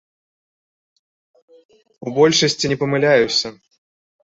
У большасці не памыляюся.